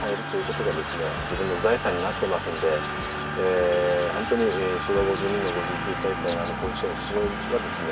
自分の財産になってますんで本当に昭和５２年５９回大会のあの甲子園出場はですね